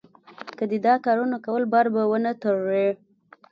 که دې دا کارونه کول؛ بار به و نه تړې.